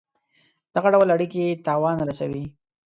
دغه ډول اړېکي تاوان رسوي.